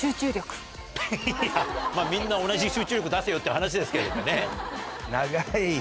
いやみんな同じ集中力出せよって話ですけどもね。